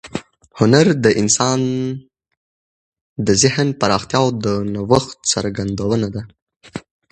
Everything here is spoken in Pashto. هنر د انسان د ذهن پراختیا او د نوښت څرګندونه ده.